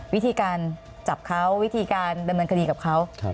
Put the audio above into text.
วิธีการจับเขาวิธีการดำเนินคดีกับเขา